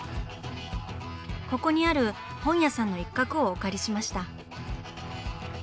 ここにある本屋さんの一角をお借りしました。